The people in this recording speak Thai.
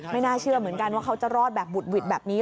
ไม่น่าเชื่อเหมือนกันว่าเขาจะรอดแบบบุดหวิดแบบนี้